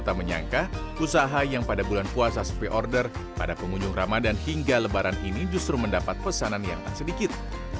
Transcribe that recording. tak menyangka usaha yang pada bulan puasa spi order pada pengunjung ramadan hingga lebaran ini justru mendapat pesanan yang tak sedikit